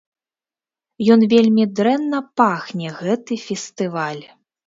Ён вельмі дрэнна пахне гэты фестываль.